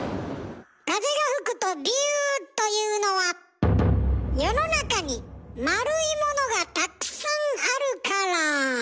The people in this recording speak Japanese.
風が吹くと「ビュー」というのは世の中に丸いものがたくさんあるから。